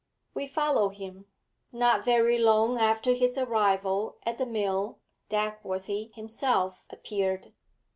We follow him. Not very long after his arrival at the mill, Dagworthy himself appeared.